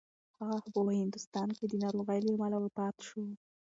هغه په هندوستان کې د ناروغۍ له امله وفات شو.